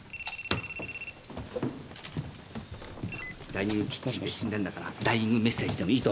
・「ダイニングキッチン」で死んだんだから「ダイニングメッセージ」でもいいと思うんだけどな。